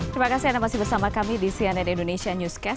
terima kasih anda masih bersama kami di cnn indonesia newscast